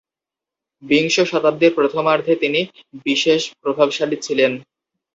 বিংশ শতাব্দীর প্রথমার্ধে তিনি বিশেষ প্রভাবশালী ছিলেন।